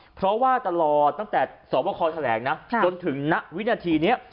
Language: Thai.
เพราะว่าตลอดตั้งแต่สวบคอแถลงนะจนถึงณวินาทีนี้